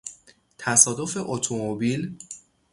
تصادف اتومبیل